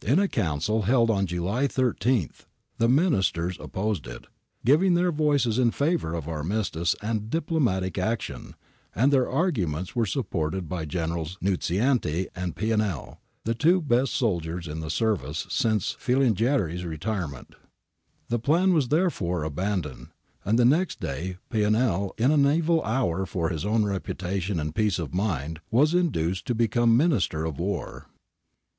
In a council held on July 13 the Ministers opposed it, giving their voices in favour of armistice and diplomatic action, and their arguments were supported by Generals Nunziante and Pianell, the two best soldiers in the ser vice since P^ilangieri's retirement.'^ The plan was there fore abandoned, and next day Pianell, in an evil hour for his own reputation and peace of mind, was induced to become Minister of War.